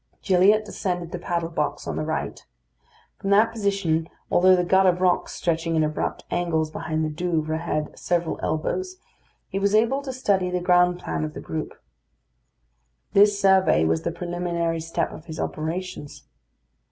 Gilliatt ascended the paddle box on the right. From that position, although the gut of rocks stretching in abrupt angles behind the Douvres had several elbows, he was able to study the ground plan of the group. This survey was the preliminary step of his operations.